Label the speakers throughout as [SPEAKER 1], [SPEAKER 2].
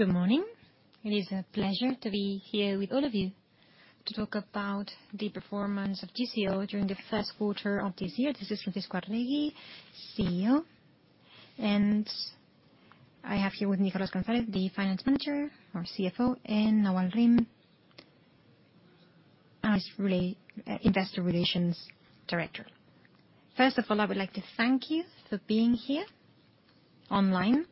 [SPEAKER 1] Good morning. It is a pleasure to be here with all of you to talk about the performance of GCO during the first quarter of this year. This is Francisco José Arregui, General Manager, and I have here with Carlos González, the Finance Manager, and Nawal Rim, Investor Relations Director. First of all, I would like to thank you for being here online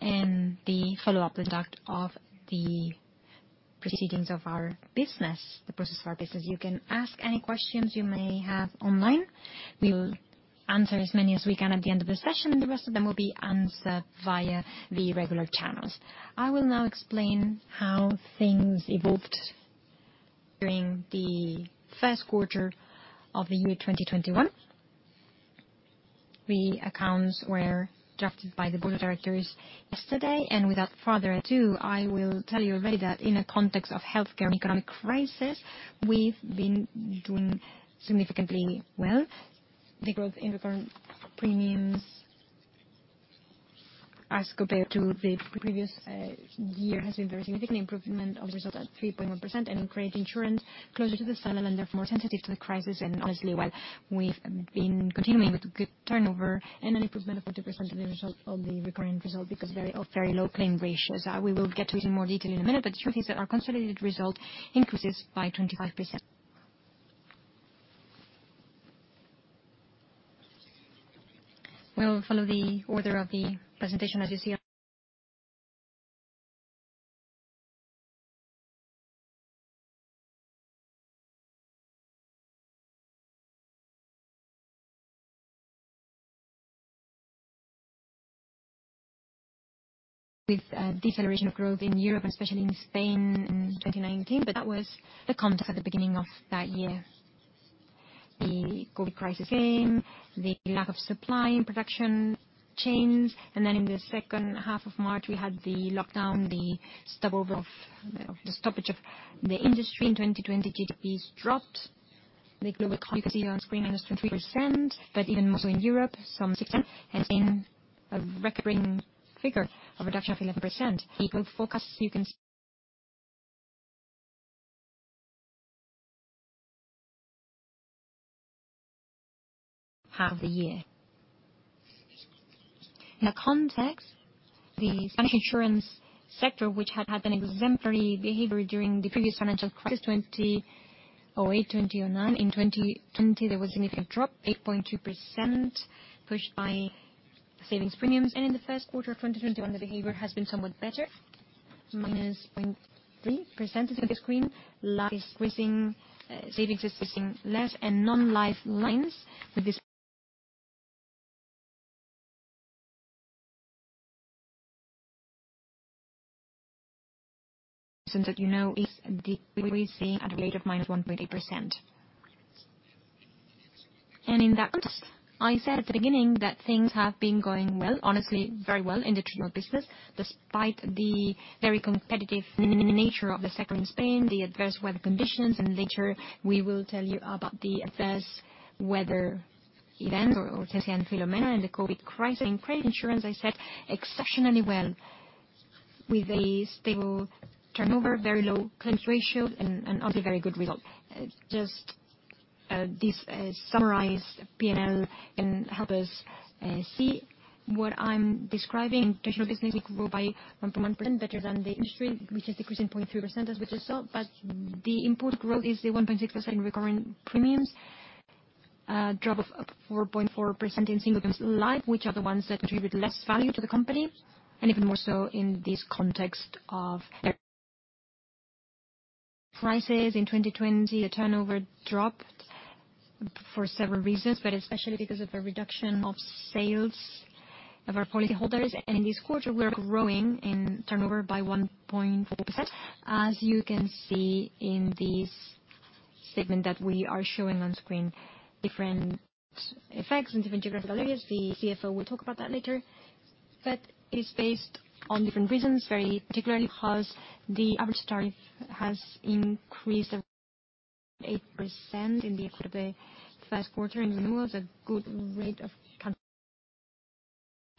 [SPEAKER 1] and the follow-up conduct of the proceedings of our business. You can ask any questions you may have online. We will answer as many as we can at the end of the session, and the rest of them will be answered via the regular channels. I will now explain how things evolved during the first quarter of the year 2021. The accounts were drafted by the Board of Directors yesterday, and without further ado, I will tell you already that in a context of healthcare and economic crisis, we've been doing significantly well. The growth in recurrent premiums, as compared to the previous year, has been very significant. Improvement of results at 3.1%, and in Credit Insurance, closer to the southern and therefore more sensitive to the crisis. Honestly, while we've been continuing with good turnover and an improvement of 40% of the result of the recurring result because of very low claim ratios. We will get to it in more detail in a minute. The truth is that our consolidated result increases by 25%. We'll follow the order of the presentation, as you see. With a deceleration of growth in Europe and especially in Spain in 2019, that was the context at the beginning of that year. The COVID crisis came, the lack of supply and production chains, and then in the second half of March, we had the lockdown, the stoppage of the industry in 2020, GDPs dropped. The global economy, you can see on screen, -23%, but even more so in Europe, some 16%. Spain, a recurring figure, a reduction of 11%. The growth forecasts you can see. Half the year. In that context, the Spanish insurance sector, which had had an exemplary behavior during the previous financial crisis, 2008, 2009. In 2020, there was a significant drop, 8.2%, pushed by savings premiums. In the first quarter of 2021, the behavior has been somewhat better, -0.3% as you can see on the screen. Savings decreasing less and non-life lines with this that you know, we see at a rate of -1.8%. In that context, I said at the beginning that things have been going well, honestly very well in the traditional business, despite the very competitive nature of the sector in Spain, the adverse weather conditions, and later we will tell you about the adverse weather events or Filomena and the COVID crisis. In Credit Insurance, I said exceptionally well with a stable turnover, very low claims ratio, and also very good result. Just this summarized P&L can help us see what I'm describing. Traditional business, we grew by 1.1%, better than the industry, which is decreasing 0.3% as we just saw. The important growth is the 1.6% in recurrent premiums, a drop of 4.4% in single claims life, which are the ones that contribute less value to the company, and even more so in this context of prices in 2020, the turnover dropped for several reasons, especially because of a reduction of sales of our policyholders. In this quarter, we are growing in turnover by 1.4%, as you can see in this segment that we are showing on screen. Different effects in different geographical areas. The CFO will talk about that later. It's based on different reasons, very particularly because the average tariff has increased 8% in the first quarter. In renewals, a good rate of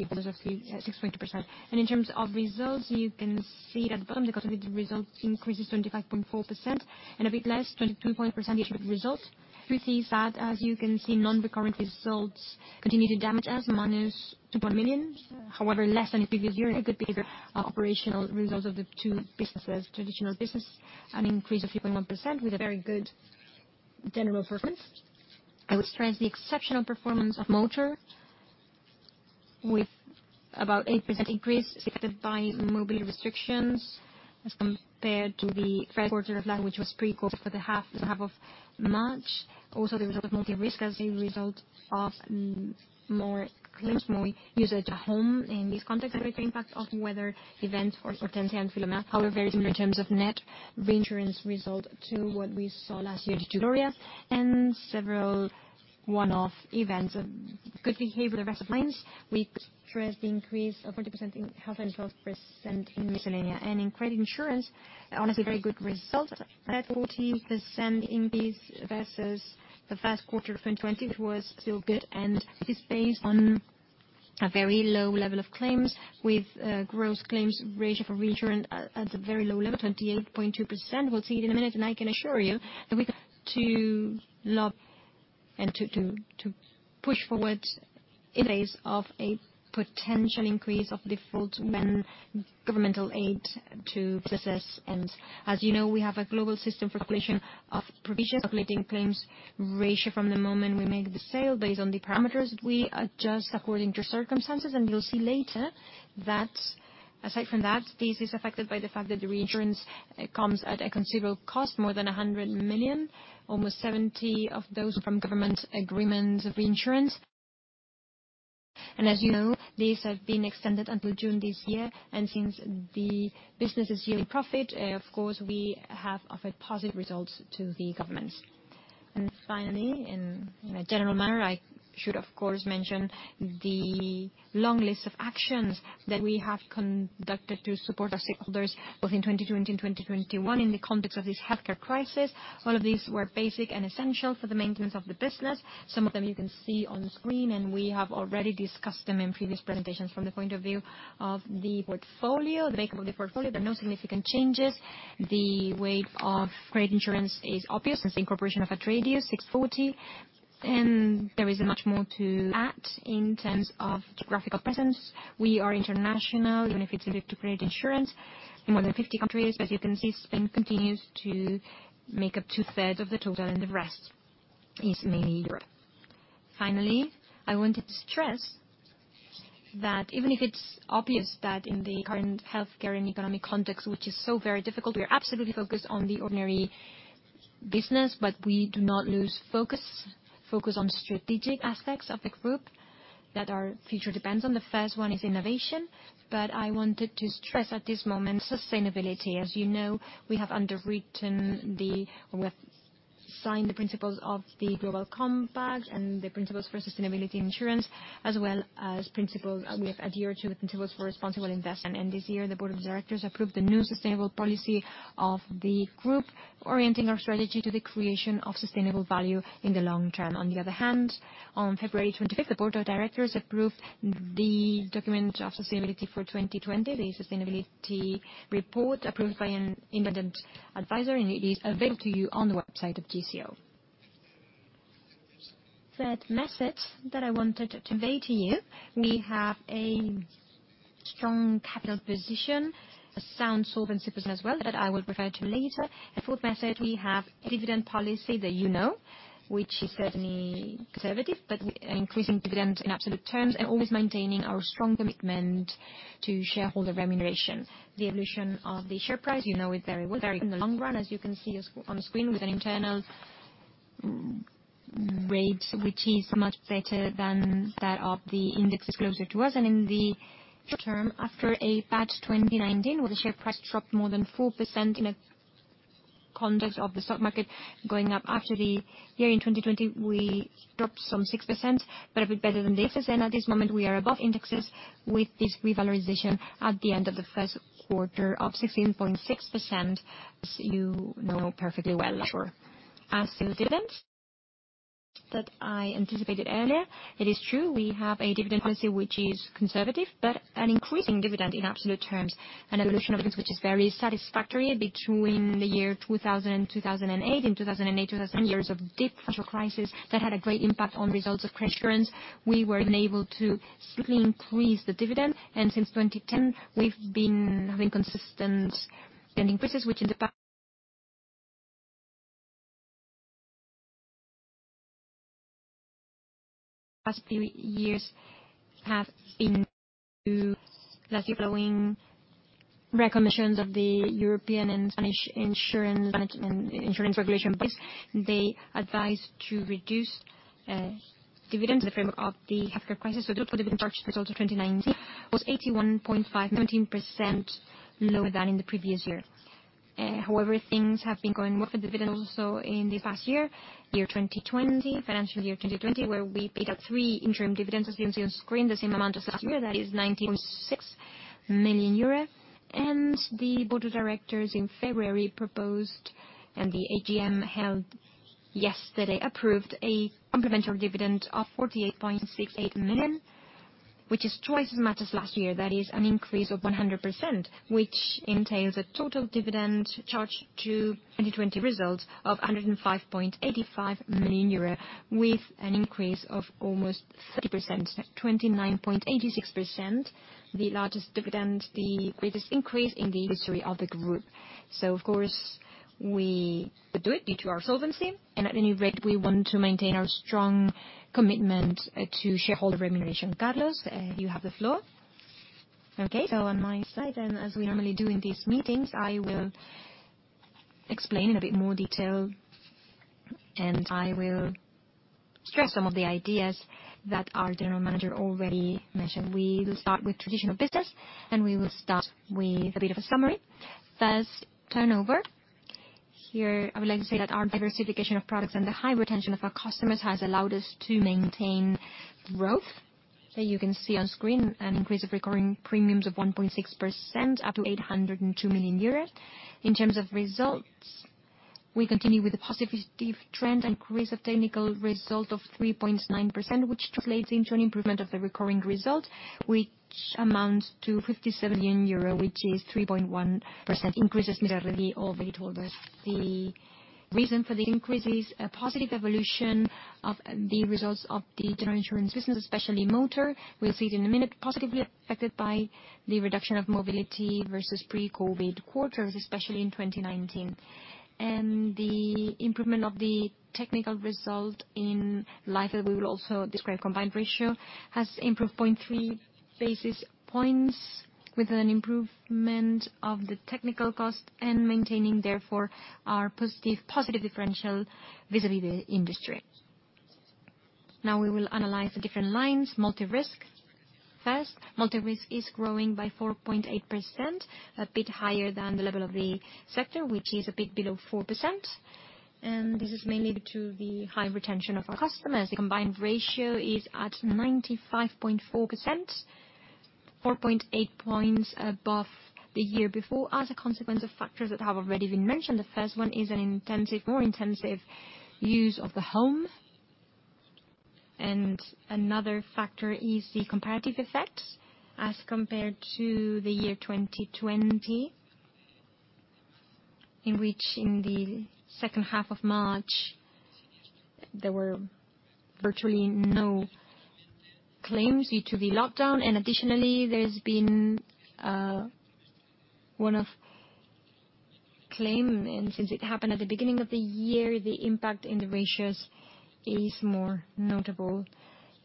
[SPEAKER 1] 6.2%. In terms of results, you can see it at the bottom, the consolidated result increases 25.4%, and a bit less, 22.8% of the insurance result. Truth is that, as you can see, non-recurrent results continue to damage us, -2.9 million. Less than the previous year, a good behavior of operational results of the two businesses. Traditional business, an increase of 3.1% with a very good general performance. I would stress the exceptional performance of motor with about 8% increase affected by mobility restrictions as compared to the first quarter of last, which was pre-COVID for the half of March. The result of multi-risk as a result of more claims, more usage at home. In this context, a great impact of weather events for Hortense and Filomena. Very similar in terms of net reinsurance result to what we saw last year due to Gloria and several one-off events of good behavior, the rest of lines. We could stress the increase of 40% in health and 12% in miscellaneous. In Credit Insurance, honestly, very good results, up 40% in fees versus the first quarter of 2020. It was still good and is based on a very low level of claims with gross claims ratio for reinsurance at a very low level, 28.2%. We'll see it in a minute, and I can assure you that we to push forward of a potential increase of defaults when governmental aid to businesses ends. As you know, we have a global system for calculation of provisions, calculating claims ratio from the moment we make the sale based on the parameters we adjust according to circumstances. You'll see later that aside from that, this is affected by the fact that the reinsurance comes at a considerable cost, more than 100 million, almost 70 million of those from government agreements of reinsurance. As you know, these have been extended until June this year. Since the business is yearly profit, of course, we have offered positive results to the governments. Finally, in a general manner, I should, of course, mention the long list of actions that we have conducted to support our stakeholders, both in 2020 and 2021, in the context of this healthcare crisis. All of these were basic and essential for the maintenance of the business. Some of them you can see on screen, and we have already discussed them in previous presentations. From the point of view of the portfolio, the makeup of the portfolio, there are no significant changes. The weight of Credit Insurance is obvious since the incorporation of Atradius, 64%. There isn't much more to add in terms of geographical presence. We are international, even if it's limited to credit insurance, in more than 50 countries. As you can see, Spain continues to make up two-thirds of the total, and the rest is mainly Europe. Finally, I wanted to stress that even if it's obvious that in the current healthcare and economic context, which is so very difficult, we are absolutely focused on the ordinary business, but we do not lose focus on strategic aspects of the group that our future depends on. The first one is innovation, but I wanted to stress at this moment, sustainability. As you know, we have signed the Principles of the Global Compact and the Principles for Sustainable Insurance, as well as we have adhered to the Principles for Responsible Investment. This year, the Board of Directors approved the new sustainable policy of the group, orienting our strategy to the creation of sustainable value in the long term. On the other hand, on February 25th, the board of directors approved the document of sustainability for 2020, the sustainability report approved by an independent adviser, and it is available to you on the website of GCO. Third message that I wanted to convey to you, we have a strong capital position, a sound solvency position as well that I will refer to later. A fourth message, we have a dividend policy that you know, which is certainly conservative, but increasing dividend in absolute terms and always maintaining our strong commitment to shareholder remuneration. The evolution of the share price, you know it very well, very in the long run, as you can see on screen, with an internal rate which is much better than that of the indexes closer to us. In the short term, after a bad 2019, where the share price dropped more than 4% in a context of the stock market going up. After the year in 2020, we dropped some 6%, but a bit better than the indexes. At this moment, we are above indexes with this revalorization at the end of the first quarter of 16.6%, as you know perfectly well, I'm sure. As to the dividend that I anticipated earlier, it is true, we have a dividend policy which is conservative, but an increasing dividend in absolute terms. An evolution, of course, which is very satisfactory. Between the year 2000 and 2008, in 2008, 2009, years of deep financial crisis that had a great impact on results of credit insurance, we were even able to slightly increase the dividend. Since 2010, we've been having consistent increases, which in the past few years have been due, lastly, following recommendations of the European and Spanish insurance regulators. They advise to reduce dividends in the framework of the healthcare crisis. The total dividend charged results of 2019 was 81.5 million, 17% lower than in the previous year. However, things have been going well for dividends also in the past year 2020, financial year 2020, where we paid out three interim dividends, as you can see on screen, the same amount as last year, that is 9.6 million euro. The Board of Directors in February proposed, and the AGM held yesterday approved, a complementary dividend of 48.68 million, which is twice as much as last year. That is an increase of 100%, which entails a total dividend charged to 2020 results of 105.85 million euro, with an increase of almost 30%, 29.86%, the largest dividend, the greatest increase in the history of the group. Of course, we could do it due to our solvency. At any rate, we want to maintain our strong commitment to shareholder remuneration. Carlos, you have the floor.
[SPEAKER 2] On my side then, as we normally do in these meetings, I will explain in a bit more detail, and I will stress some of the ideas that our General Manager already mentioned. We will start with traditional business, and we will start with a bit of a summary. First, turnover. Here, I would like to say that our diversification of products and the high retention of our customers has allowed us to maintain growth. You can see on screen an increase of recurring premiums of 1.6%, up to 802 million euros. In terms of results. We continue with the positive trend increase of technical result of 3.9%, which translates into an improvement of the recurring result, which amounts to 57 million euro, which is 3.1% increases vis-a-vis over the 12 months. The reason for the increase is a positive evolution of the results of the General Insurance business, especially motor. We'll see it in a minute, positively affected by the reduction of mobility versus pre-COVID quarters, especially in 2019. The improvement of the technical result in life, that we will also describe, combined ratio, has improved 0.3 basis points with an improvement of the technical cost and maintaining, therefore, our positive differential vis-a-vis the industry. Now we will analyze the different lines. Multi-risk. First, multi-risk is growing by 4.8%, a bit higher than the level of the sector, which is a bit below 4%. This is mainly due to the high retention of our customers. The combined ratio is at 95.4%, 4.8% points above the year before, as a consequence of factors that have already been mentioned. The first one is a more intensive use of the home, and another factor is the comparative effect as compared to the year 2020, in which in the second half of March, there were virtually no claims due to the lockdown. Additionally, there's been one-off claim, and since it happened at the beginning of the year, the impact in the ratios is more notable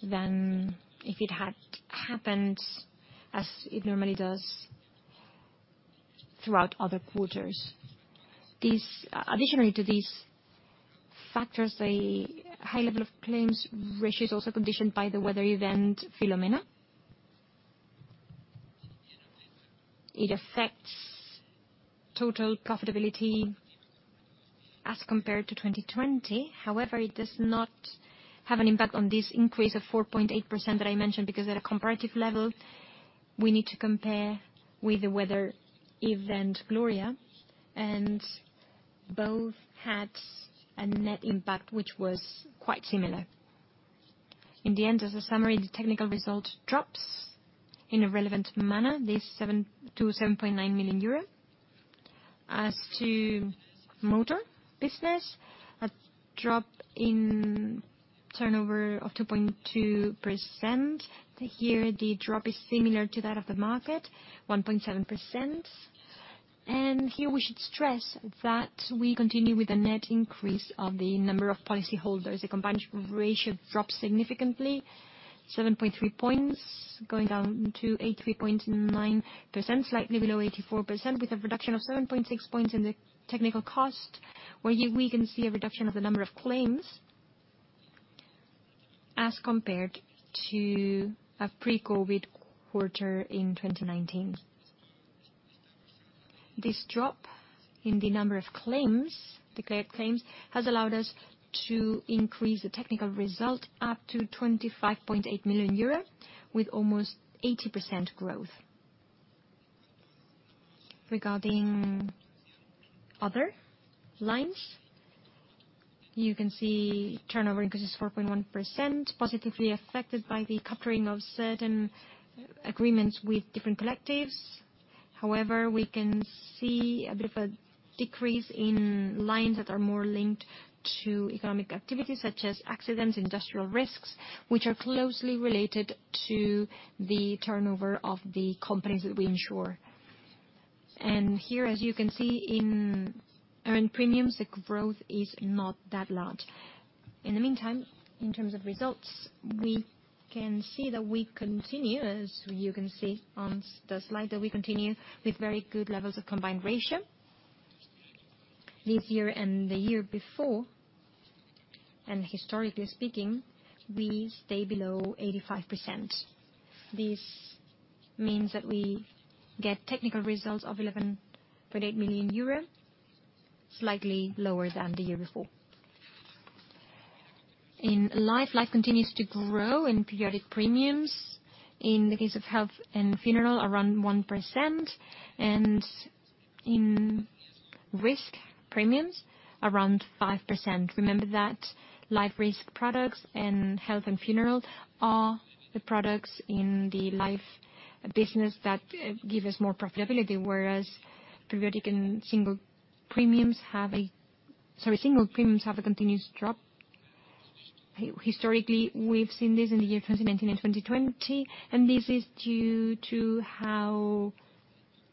[SPEAKER 2] than if it had happened as it normally does throughout other quarters. Additionally to these factors, a high level of claims ratio is also conditioned by the weather event Filomena. It affects total profitability as compared to 2020. However, it does not have an impact on this increase of 4.8% that I mentioned, because at a comparative level, we need to compare with the weather event Gloria. Both had a net impact, which was quite similar. In the end, as a summary, the technical result drops in a relevant manner, this to 7.9 million euro. As to motor business, a drop in turnover of 2.2%. Here, the drop is similar to that of the market, 1.7%. Here we should stress that we continue with a net increase of the number of policyholders. The combined ratio drops significantly, 7.3 points, going down to 83.9%, slightly below 84%, with a reduction of 7.6 points in the technical cost, where we can see a reduction of the number of claims as compared to a pre-COVID quarter in 2019. This drop in the number of claims, declared claims, has allowed us to increase the technical result up to 25.8 million euro, with almost 80% growth. Regarding other lines, you can see turnover increase is 4.1%, positively affected by the capturing of certain agreements with different collectives. We can see a bit of a decrease in lines that are more linked to economic activities such as accidents, industrial risks, which are closely related to the turnover of the companies that we insure. Here, as you can see, in earned premiums, the growth is not that large. In the meantime, in terms of results, we can see that we continue, as you can see on the slide, that we continue with very good levels of combined ratio this year and the year before. Historically speaking, we stay below 85%. This means that we get technical results of 11.8 million euro, slightly lower than the year before. In life continues to grow in periodic premiums. In the case of health and funeral, around 1%, and in risk premiums, around 5%. Remember that life risk products and health and funeral are the products in the Life business that give us more profitability, whereas periodic and single premiums. Sorry, single premiums have a continuous drop. Historically, we've seen this in the year 2019 and 2020, and this is due to how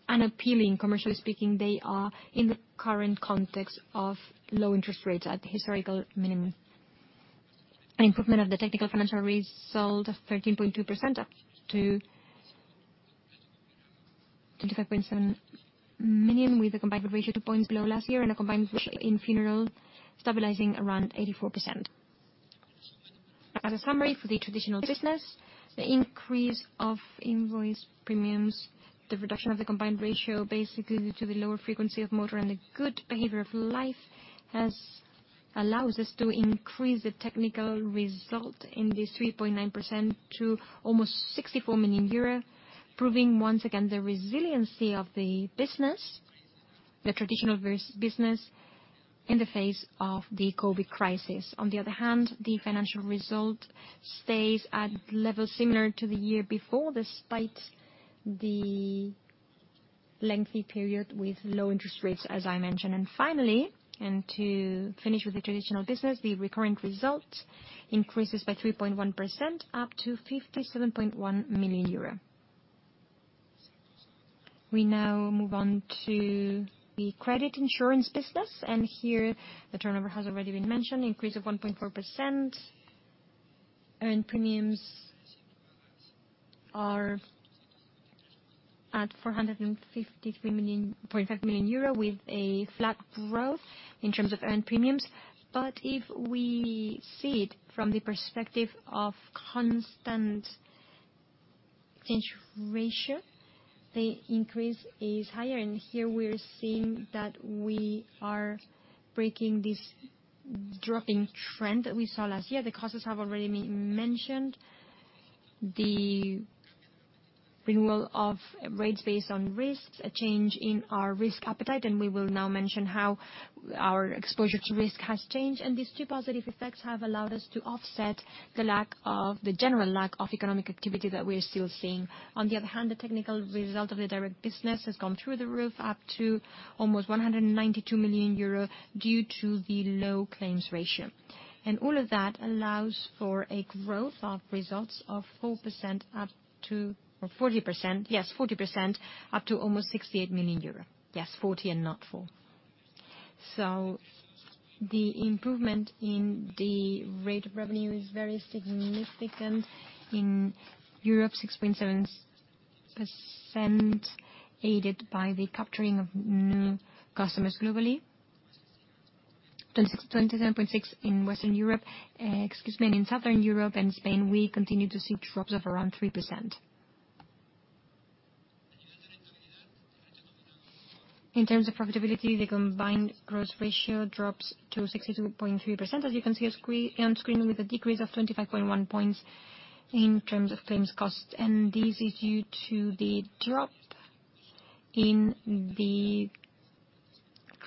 [SPEAKER 2] unappealing, commercially speaking, they are in the current context of low interest rates at the historical minimum. An improvement of the technical financial result of 13.2% up to 25.7 million, with a combined ratio 2 points below last year and a combined ratio in funeral stabilizing around 84%. As a summary for the Traditional business, the increase of invoice premiums, the reduction of the combined ratio, basically due to the lower frequency of motor and the good behavior of life, has allowed us to increase the technical result in this 3.9% to almost 64 million euro, proving once again the resiliency of the Traditional business in the face of the COVID crisis. On the other hand, the financial result stays at level similar to the year before, despite the lengthy period with low interest rates, as I mentioned. Finally, and to finish with the Traditional business, the recurrent result increases by 3.1%, up to 57.1 million euro. We now move on to the Credit Insurance business, here the turnover has already been mentioned, increase of 1.4%. Earned premiums are at 453.5 million with a flat growth in terms of earned premiums. If we see it from the perspective of constant exchange ratio, the increase is higher. Here we're seeing that we are breaking this dropping trend that we saw last year. The causes have already been mentioned. The renewal of rates based on risks, a change in our risk appetite, and we will now mention how our exposure to risk has changed. These two positive effects have allowed us to offset the general lack of economic activity that we're still seeing. On the other hand, the technical result of the direct business has gone through the roof up to almost 192 million euro due to the low claims ratio. All of that allows for a growth of results of 40% up to almost 68 million euro. Yes, 40% and not 4%. The improvement in the rate of revenue is very significant. In Europe, 6.7% aided by the capturing of new customers globally, 27.6% in Southern Europe and Spain, we continue to see drops of around 3%. In terms of profitability, the combined gross ratio drops to 62.3%, as you can see on screen, with a decrease of 25.1% points in terms of claims costs. This is due to the drop in the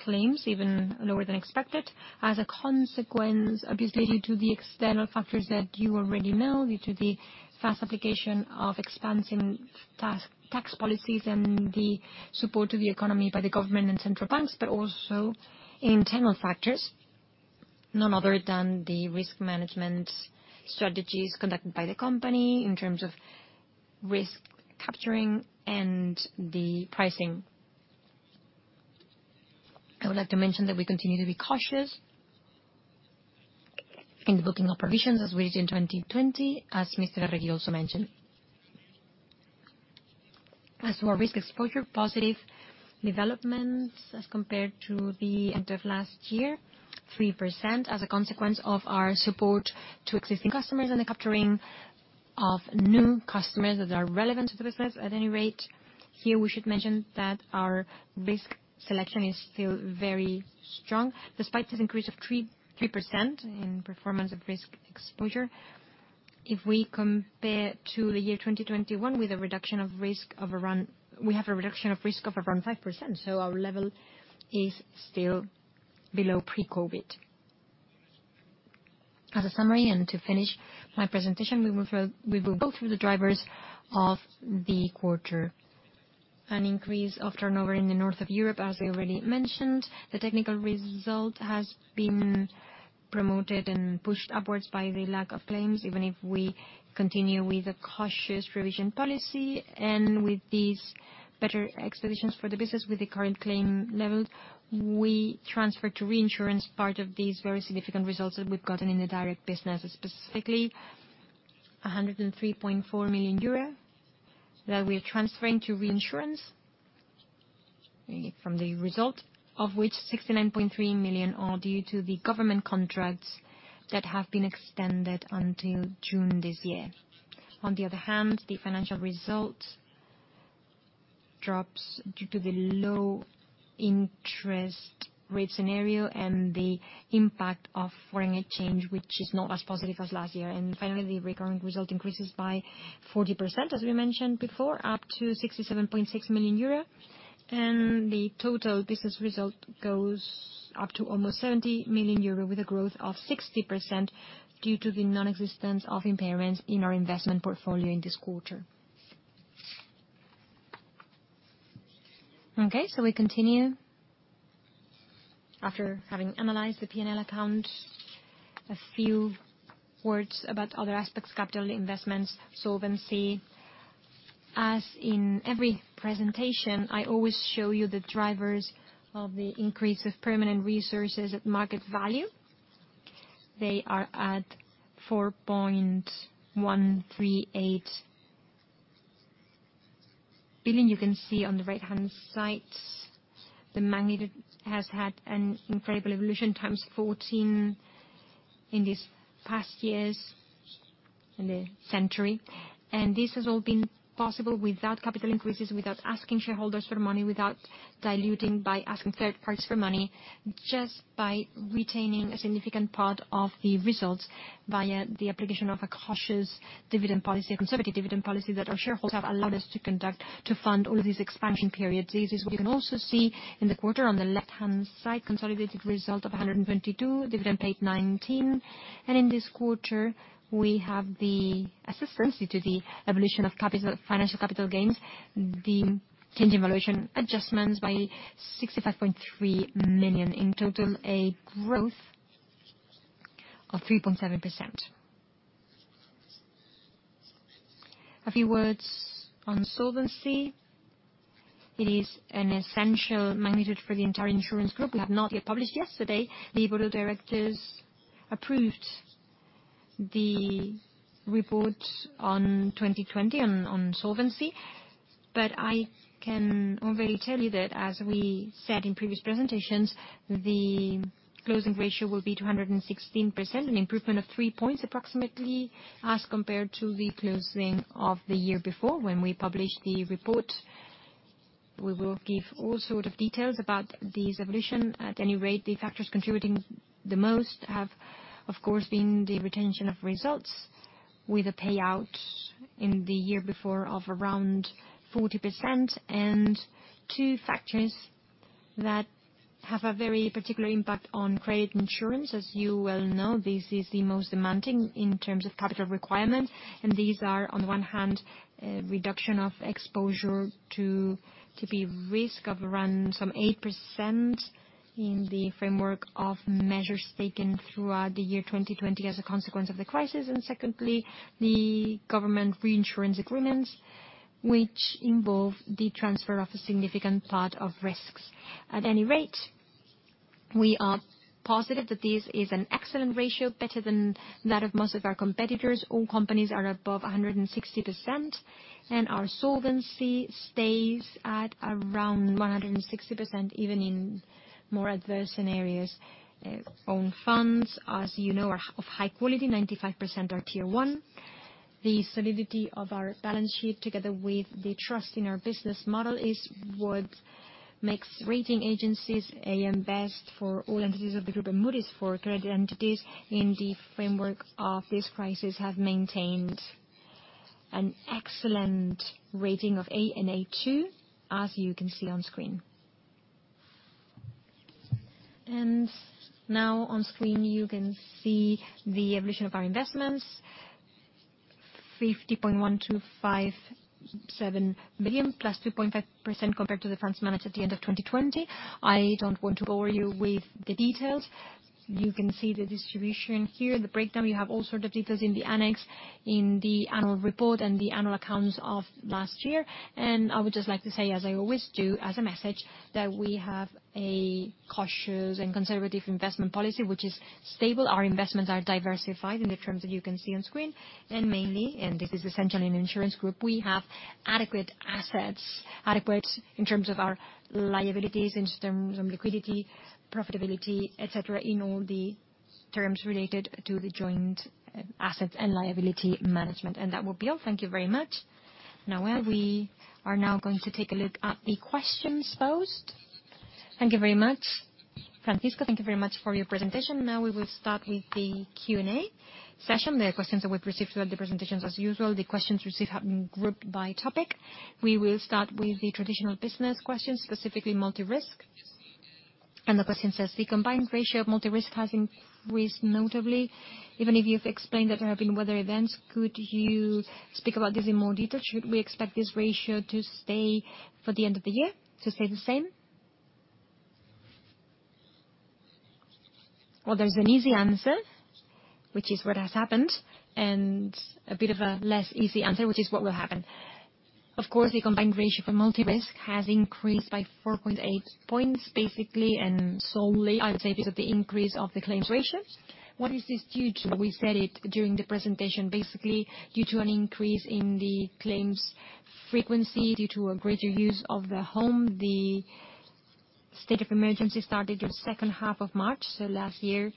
[SPEAKER 2] claims, even lower than expected. As a consequence, obviously due to the external factors that you already know, due to the fast application of expansionary fiscal policies and the support to the economy by the government and central banks, but also internal factors, none other than the risk management strategies conducted by the company in terms of risk capturing and the pricing. I would like to mention that we continue to be cautious in the booking of provisions as we did in 2020, as Mr. Arregui also mentioned. As for risk exposure, positive developments as compared to the end of last year, 3%, as a consequence of our support to existing customers and the capturing of new customers that are relevant to the business. At any rate, here we should mention that our risk selection is still very strong despite this increase of 3% in performance of risk exposure. If we compare to the year 2021, we have a reduction of risk of around 5%, so our level is still below pre-COVID. As a summary, and to finish my presentation, we will go through the drivers of the quarter. An increase of turnover in the north of Europe, as we already mentioned. The technical result has been promoted and pushed upwards by the lack of claims, even if we continue with a cautious provision policy. With these better expectations for the business with the current claim level, we transfer to reinsurance part of these very significant results that we've gotten in the direct business, specifically 103.4 million euro that we are transferring to reinsurance from the result of which 69.3 million are due to the government contracts that have been extended until June this year. On the other hand, the financial result drops due to the low interest rate scenario and the impact of foreign exchange, which is not as positive as last year. Finally, the recurring result increases by 40%, as we mentioned before, up to 67.6 million euro. The total business result goes up to almost 70 million euro with a growth of 60% due to the non-existence of impairments in our investment portfolio in this quarter. Okay, we continue. After having analyzed the P&L account, a few words about other aspects, capital investments, solvency. As in every presentation, I always show you the drivers of the increase of permanent resources at market value. They are at 4.138 billion. You can see on the right-hand side the magnitude has had an incredible evolution, 14x in these past years, in the century. This has all been possible without capital increases, without asking shareholders for money, without diluting by asking third parties for money, just by retaining a significant part of the results via the application of a cautious dividend policy, a conservative dividend policy, that our shareholders have allowed us to conduct to fund all of these expansion periods. This is what you can also see in the quarter on the left-hand side, consolidated result of 122 million, dividend paid 19 million. In this quarter, we have the assistance due to the evolution of financial capital gains, the change in valuation adjustments by 65.3 million. In total, a growth of 3.7%.
[SPEAKER 1] A few words on solvency. It is an essential magnitude for the entire insurance group. We have not yet published. Yesterday, the Board of Directors approved the report on 2020 on solvency, but I can already tell you that, as we said in previous presentations, the closing ratio will be 216%, an improvement of three points approximately as compared to the closing of the year before. When we publish the report, we will give all sort of details about this evolution. At any rate, the factors contributing the most have, of course, been the retention of results with a payout in the year before of around 40%, and two factors that have a very particular impact on credit insurance. As you well know, this is the most demanding in terms of capital requirements, and these are, on one hand, a reduction of exposure to the risk of around some 8% in the framework of measures taken throughout the year 2020 as a consequence of the crisis. Secondly, the government reinsurance agreements, which involve the transfer of a significant part of risks. At any rate, we are positive that this is an excellent ratio, better than that of most of our competitors. All companies are above 160%, and our solvency stays at around 160%, even in more adverse scenarios. Own funds, as you know, are of high quality, 95% are Tier 1. The solidity of our balance sheet, together with the trust in our business model, is what makes rating agencies AM Best for all entities of the group, and Moody's for credit entities in the framework of this crisis have maintained an excellent rating of A and A2, as you can see on screen. Now on screen, you can see the evolution of our investments, 50.1257 billion, +2.5% compared to the funds managed at the end of 2020. I don't want to bore you with the details. You can see the distribution here, the breakdown. You have all sorts of details in the annex, in the annual report, and the annual accounts of last year. I would just like to say, as I always do, as a message, that we have a cautious and conservative investment policy, which is stable. Our investments are diversified in the terms that you can see on screen. Mainly, and this is essential in an insurance group, we have adequate assets, adequate in terms of our liabilities, in terms of liquidity, profitability, et cetera, in all the terms related to the joint assets and liability management. That will be all. Thank you very much. We are now going to take a look at the questions posed.
[SPEAKER 3] Thank you very much, Francisco. Thank you very much for your presentation. Now we will start with the Q and A session. The questions that we've received throughout the presentations, as usual, the questions received have been grouped by topic. We will start with the Traditional business questions, specifically multi-risk. The question says, the combined ratio of multi-risk has increased notably. Even if you've explained that there have been weather events, could you speak about this in more detail? Should we expect this ratio to stay for the end of the year, to stay the same?
[SPEAKER 1] Well, there's an easy answer, which is what has happened, and a bit of a less easy answer, which is what will happen. Of course, the combined ratio for multi-risk has increased by 4.8 points, basically, and solely, I would say, because of the increase of the claims ratios. What is this due to? We said it during the presentation. Basically, due to an increase in the claims frequency due to a greater use of the home. The state of emergency started the second half of March. Last year,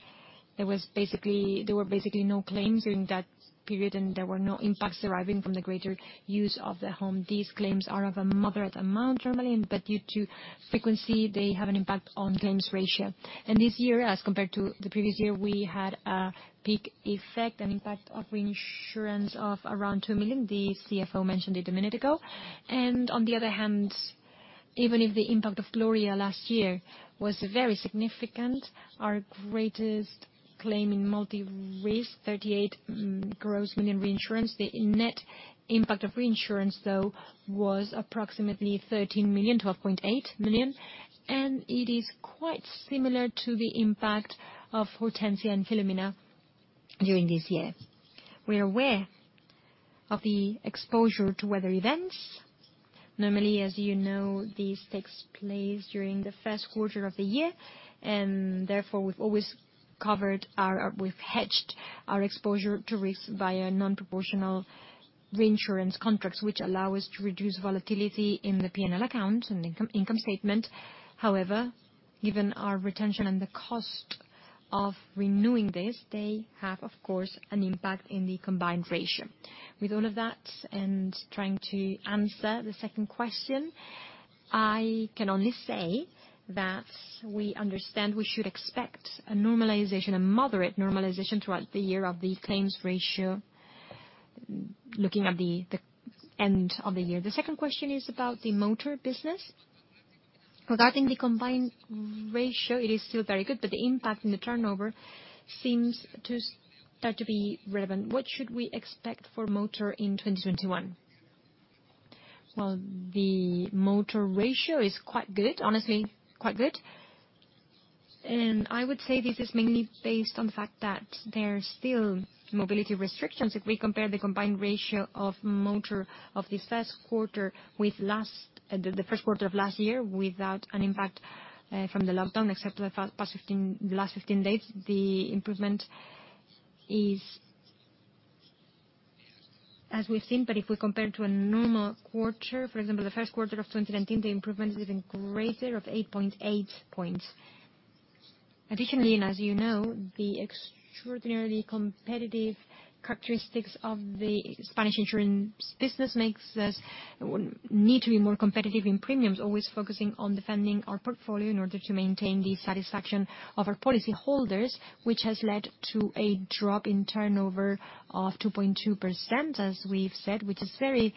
[SPEAKER 1] there were basically no claims during that period, and there were no impacts deriving from the greater use of the home. These claims are of a moderate amount normally, but due to frequency, they have an impact on claims ratio. This year, as compared to the previous year, we had a peak effect, an impact of reinsurance of around 2 million. The CFO mentioned it a minute ago. On the other hand, even if the impact of Gloria last year was very significant, our greatest claim in multi-risk, 38 million gross reinsurance. The net impact of reinsurance, though, was approximately 13 million, 12.8 million, and it is quite similar to the impact of Hortense and Filomena during this year. We are aware of the exposure to weather events. Normally, as you know, this takes place during the first quarter of the year, and therefore, we've always covered or we've hedged our exposure to risks via non-proportional reinsurance contracts, which allow us to reduce volatility in the P&L account and income statement. Given our retention and the cost of renewing this, they have, of course, an impact in the combined ratio. With all of that, and trying to answer the second question, I can only say that we understand we should expect a moderate normalization throughout the year of the claims ratio, looking at the end of the year.
[SPEAKER 3] The second question is about the motor business. Regarding the combined ratio, it is still very good, but the impact in the turnover seems to start to be relevant. What should we expect for motor in 2021?
[SPEAKER 1] Well, the motor ratio is quite good. Honestly, quite good. I would say this is mainly based on the fact that there are still mobility restrictions. If we compare the combined ratio of motor of this first quarter with the first quarter of last year, without an impact from the lockdown, except for the last 15 days, the improvement is as we've seen. If we compare to a normal quarter, for example, the first quarter of 2019, the improvement is even greater, of 8.8 points. As you know, the extraordinarily competitive characteristics of the Spanish insurance business makes us need to be more competitive in premiums, always focusing on defending our portfolio in order to maintain the satisfaction of our policyholders, which has led to a drop in turnover of 2.2%, as we've said, which is a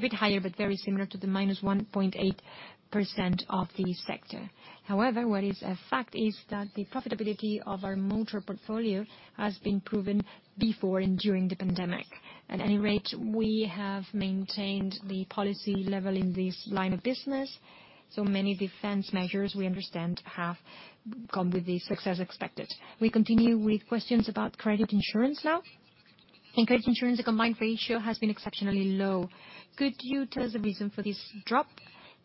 [SPEAKER 1] bit higher, but very similar to the -1.8% of the sector. What is a fact is that the profitability of our motor portfolio has been proven before and during the pandemic. At any rate, we have maintained the policy level in this line of business, so many defense measures we understand have gone with the success expected.
[SPEAKER 3] We continue with questions about Credit Insurance now. In Credit Insurance, the combined ratio has been exceptionally low. Could you tell us the reason for this drop?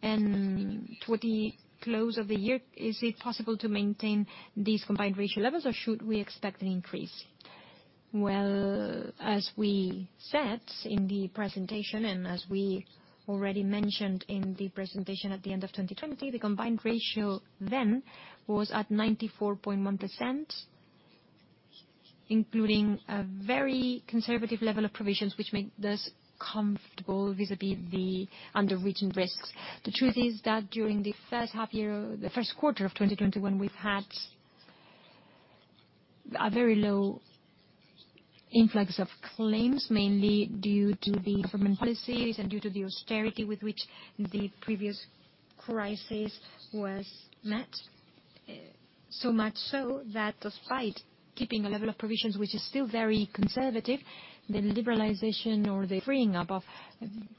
[SPEAKER 3] Toward the close of the year, is it possible to maintain these combined ratio levels, or should we expect an increase?
[SPEAKER 1] Well, as we said in the presentation, and as we already mentioned in the presentation at the end of 2020, the combined ratio then was at 94.1%, including a very conservative level of provisions, which make us comfortable vis-à-vis the underwritten risks. The truth is that during the first quarter of 2021, we've had a very low influx of claims, mainly due to the government policies and due to the austerity with which the previous crisis was met. Much so, that despite keeping a level of provisions, which is still very conservative, the liberalization or the freeing up of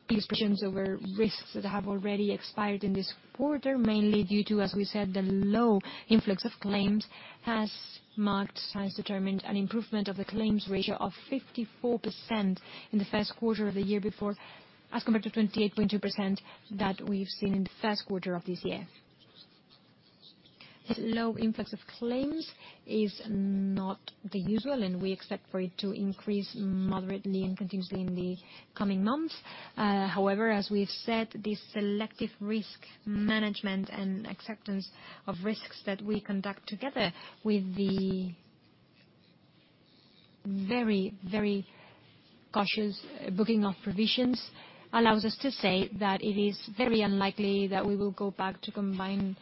[SPEAKER 1] these provisions over risks that have already expired in this quarter, mainly due to, as we said, the low influx of claims, has determined an improvement of the claims ratio of 54% in the first quarter of the year before, as compared to 28.2% that we've seen in the first quarter of this year. This low influx of claims is not usual, we expect for it to increase moderately and continuously in the coming months. As we've said, this selective risk management and acceptance of risks that we conduct together with the very cautious booking of provisions allows us to say that it is very unlikely that we will go back to combined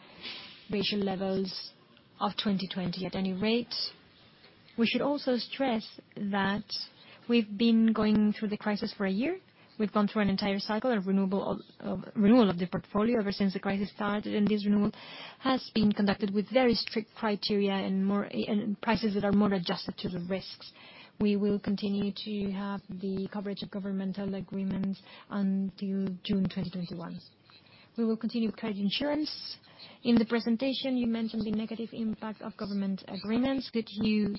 [SPEAKER 1] ratio levels of 2020 at any rate. We should also stress that we've been going through the crisis for a year. We've gone through an entire cycle of renewal of the portfolio ever since the crisis started. This renewal has been conducted with very strict criteria and prices that are more adjusted to the risks. We will continue to have the coverage of governmental agreements until June 2021.
[SPEAKER 3] We will continue with Credit Insurance. In the presentation, you mentioned the negative impact of government agreements. Could you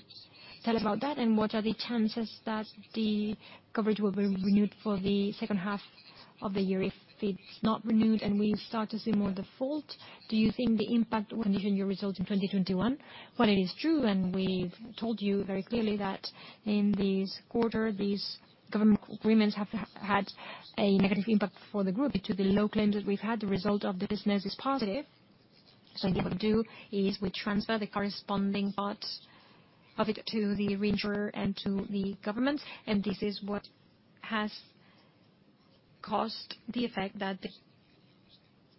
[SPEAKER 3] tell about that? What are the chances that the coverage will be renewed for the second half of the year? If it's not renewed and we start to see more default, do you think the impact will condition your results in 2021?
[SPEAKER 1] Well, it is true, and we've told you very clearly that in this quarter, these government agreements have had a negative impact for the group due to the low claims that we've had. The result of the business is positive. What we do is we transfer the corresponding parts of it to the reinsurer and to the government, and this is what has caused the effect that the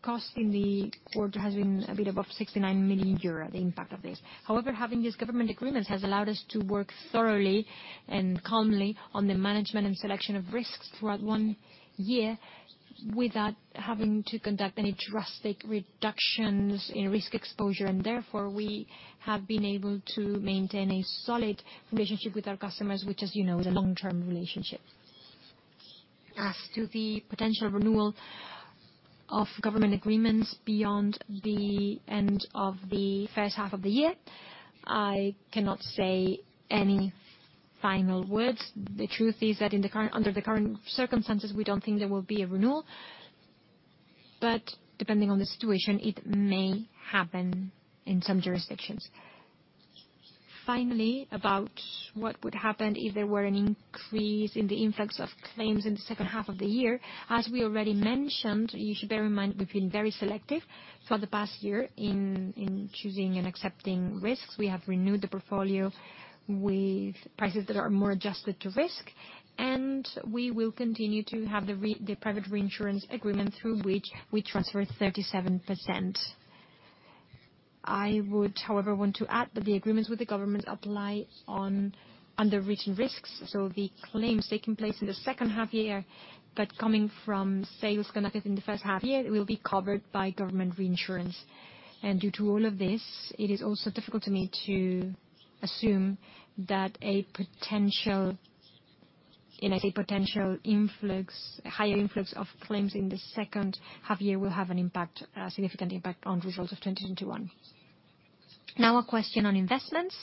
[SPEAKER 1] cost in the quarter has been a bit above 69 million euro, the impact of this. However, having these government agreements has allowed us to work thoroughly and calmly on the management and selection of risks throughout one year without having to conduct any drastic reductions in risk exposure. Therefore, we have been able to maintain a solid relationship with our customers, which as you know, is a long-term relationship. As to the potential renewal of government agreements beyond the end of the first half of the year, I cannot say any final words. The truth is that under the current circumstances, we don't think there will be a renewal. Depending on the situation, it may happen in some jurisdictions. Finally, about what would happen if there were an increase in the influx of claims in the second half of the year. As we already mentioned, you should bear in mind we've been very selective for the past year in choosing and accepting risks. We have renewed the portfolio with prices that are more adjusted to risk, and we will continue to have the private reinsurance agreement through which we transfer 37%. I would, however, want to add that the agreements with the government apply under written risks, so the claims taking place in the second half year, but coming from sales conducted in the first half year, will be covered by government reinsurance. Due to all of this, it is also difficult to me to assume that a potential influx, higher influx of claims in the second half year will have a significant impact on results of 2021.
[SPEAKER 3] Now a question on investments.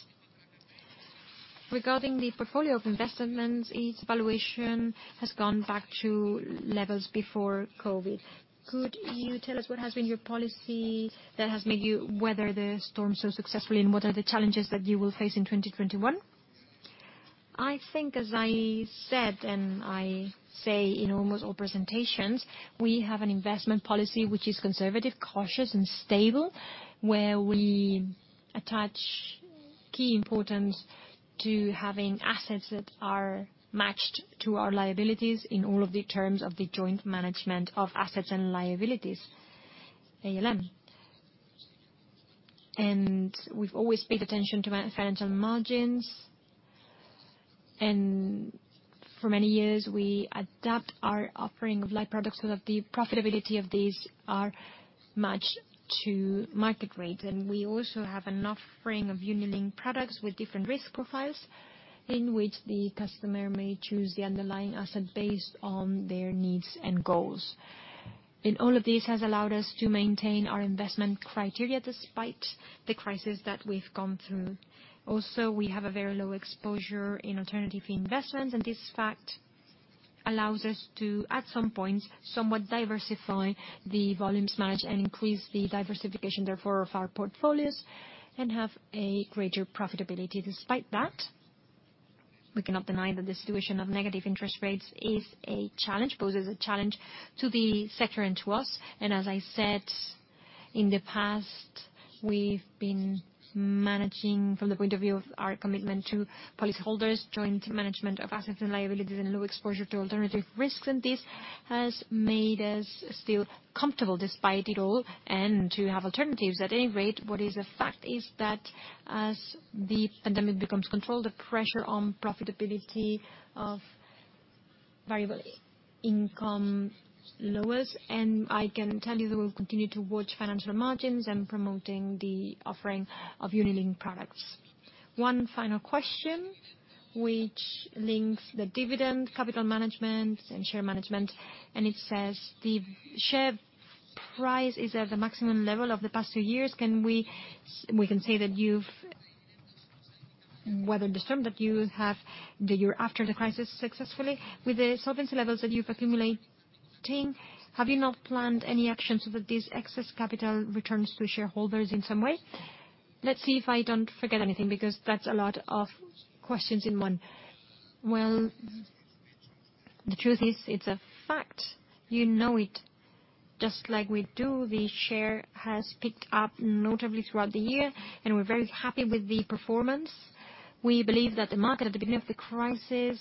[SPEAKER 3] Regarding the portfolio of investments, its valuation has gone back to levels before COVID. Could you tell us what has been your policy that has made you weather the storm so successfully, and what are the challenges that you will face in 2021?
[SPEAKER 1] I think, as I said, and I say in almost all presentations, we have an investment policy which is conservative, cautious, and stable, where we attach key importance to having assets that are matched to our liabilities in all of the terms of the joint management of assets and liabilities, ALM. We've always paid attention to financial margins. For many years, we adapt our offering of life products so that the profitability of these are matched to market rate. We also have an offering of unit-linked products with different risk profiles, in which the customer may choose the underlying asset based on their needs and goals. All of this has allowed us to maintain our investment criteria despite the crisis that we've gone through. We have a very low exposure in alternative investments, and this fact allows us to, at some point, somewhat diversify the volumes managed and increase the diversification, therefore, of our portfolios, and have a greater profitability. Despite that, we cannot deny that the situation of negative interest rates poses a challenge to the sector and to us. As I said, in the past, we've been managing, from the point of view of our commitment to policyholders, joint management of assets and liabilities and low exposure to alternative risks. This has made us still comfortable, despite it all, and to have alternatives. At any rate, what is a fact is that as the pandemic becomes controlled, the pressure on profitability of variable income lowers. I can tell you that we'll continue to watch financial margins and promoting the offering of unit-linked products.
[SPEAKER 3] One final question, which links the dividend, capital management, and share management, and it says, "The share price is at the maximum level of the past two years. We can say that you've weathered the storm, that you have, the year after the crisis successfully. With the solvency levels that you've accumulating, have you not planned any actions so that this excess capital returns to shareholders in some way?"
[SPEAKER 1] Let's see if I don't forget anything, because that's a lot of questions in one. Well, the truth is, it's a fact. You know it, just like we do. The share has picked up notably throughout the year, and we're very happy with the performance. We believe that the market at the beginning of the crisis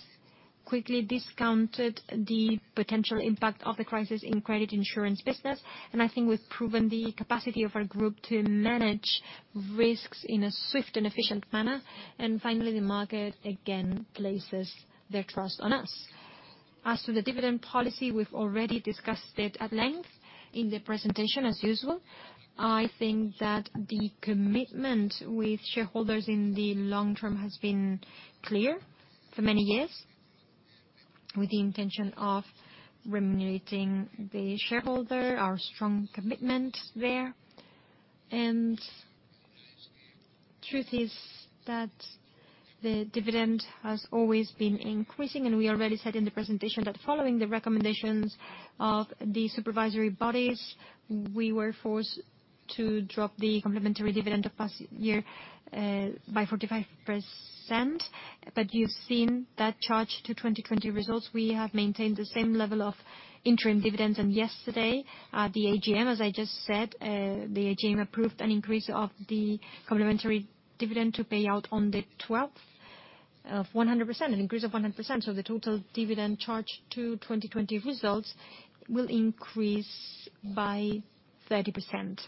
[SPEAKER 1] quickly discounted the potential impact of the crisis in credit insurance business. I think we've proven the capacity of our group to manage risks in a swift and efficient manner. Finally, the market again places their trust on us. As to the dividend policy, we've already discussed it at length in the presentation, as usual. I think that the commitment with shareholders in the long term has been clear for many years, with the intention of remunerating the shareholder, our strong commitment there. Truth is that the dividend has always been increasing, and we already said in the presentation that following the recommendations of the supervisory bodies, we were forced to drop the compementary dividend of past year by 45%. You've seen that charge to 2020 results. We have maintained the same level of interim dividends. Yesterday, at the AGM, as I just said, the AGM approved an increase of the complimentary dividend to pay out on the 12th of 100%, an increase of 100%. The total dividend charge to 2020 results will increase by 30%.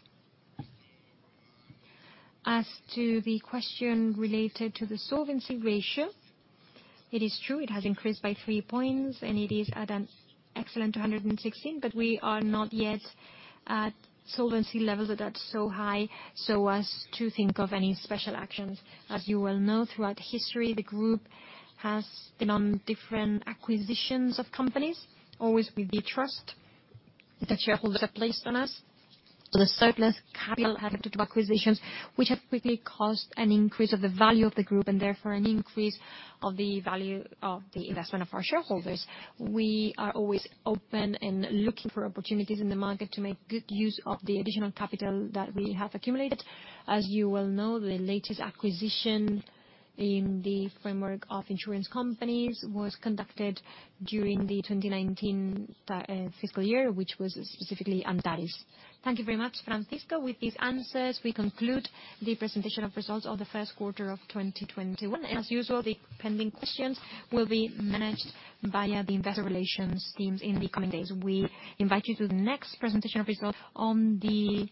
[SPEAKER 1] As to the question related to the solvency ratio, it is true, it has increased by three points, and it is at an excellent 216%, but we are not yet at solvency levels that are so high so as to think of any special actions. As you well know, throughout history, the group has been on different acquisitions of companies, always with the trust that shareholders have placed on us. The surplus capital adapted to acquisitions, which have quickly caused an increase of the value of the group, and therefore, an increase of the value of the investment of our shareholders. We are always open and looking for opportunities in the market to make good use of the additional capital that we have accumulated. As you well know, the latest acquisition in the framework of insurance companies was conducted during the 2019 fiscal year, which was specifically Antares.
[SPEAKER 3] Thank you very much, Francisco. With these answers, we conclude the presentation of results of the first quarter of 2021. As usual, the pending questions will be managed via the investor relations teams in the coming days. We invite you to the next presentation of results on the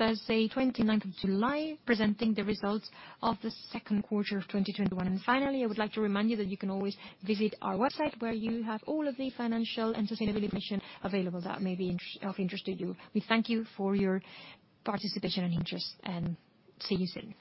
[SPEAKER 3] Thursday 29th of July, presenting the results of the second quarter of 2021. Finally, I would like to remind you that you can always visit our website where you have all of the financial and sustainability information available that may be of interest to you. We thank you for your participation and interest, and see you soon.